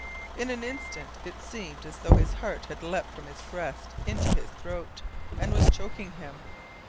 In an instant it seemed as though his heart had leapt from his breast into his throat, and was choking him.